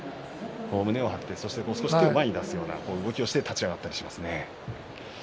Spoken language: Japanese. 胸を張ってそして前に出すような動きを見せて立ったりしますね。